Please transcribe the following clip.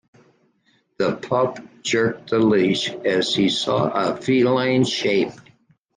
The pup jerked the leash as he saw a feline shape.